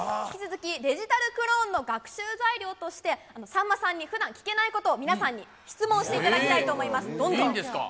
引き続き、デジタルクローンの学習材料として、さんまさんにふだん聞けないことを、皆さんに質問していただきたいと思います。